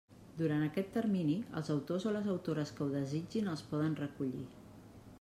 Durant aquest termini, els autors o les autores que ho desitgin els poden recollir.